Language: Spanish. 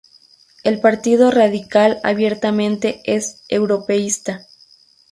El Partido radical abiertamente es europeísta.